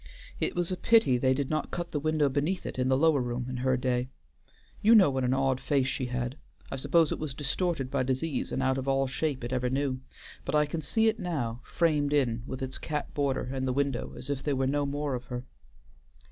It was a pity they did not cut the window beneath it in the lower room in her day. You know what an odd face she had; I suppose it was distorted by disease and out of all shape it ever knew; but I can see it now, framed in with its cap border and the window as if there were no more of her."